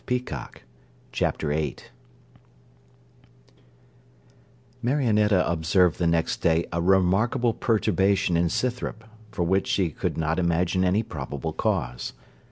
CHAPTER VIII Marionetta observed the next day a remarkable perturbation in Scythrop, for which she could not imagine any probable cause.